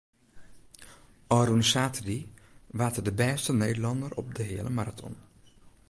Ofrûne saterdei waard er de bêste Nederlanner op de heale maraton.